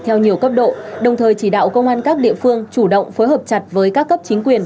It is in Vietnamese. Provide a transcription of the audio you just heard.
theo nhiều cấp độ đồng thời chỉ đạo công an các địa phương chủ động phối hợp chặt với các cấp chính quyền